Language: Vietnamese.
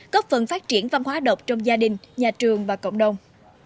có phần phát triển văn hóa độc trong gia đình nhà trường và cộng đồng